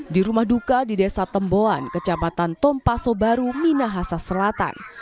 di rumah duka di desa temboan kecamatan tompaso baru minahasa selatan